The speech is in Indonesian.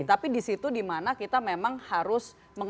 tapi di situ dimana kita memang harus